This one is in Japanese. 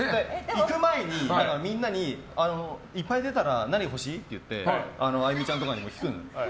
行く前にみんなにいっぱい出たら何欲しい？って言ってあゆみちゃんとかにも聞くの。